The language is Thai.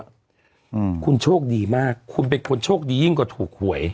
อืมคุณโชคดีมากคุณเป็นคนโชคดียิ่งกว่าถูกหวย